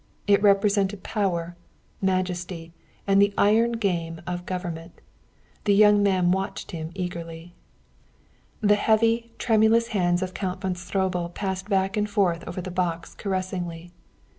It represented power, majesty and the iron game of government. The young man watched him eagerly. The heavy, tremulous hands of Count von Stroebel passed back and forth over the box caressingly.